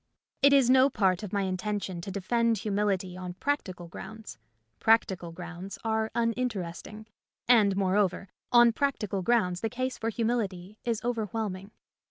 It is no part of my intention to defend humility on practical grounds. Practical grounds are uninteresting, and, moreover, on practical grounds the case for humility is overwhelming.